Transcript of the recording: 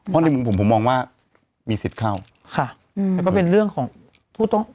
เพราะในมุมผมผมมองว่ามีสิทธิ์เข้าค่ะอืมแล้วก็เป็นเรื่องของผู้ต้อง